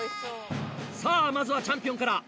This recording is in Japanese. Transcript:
さぁまずはチャンピオンから。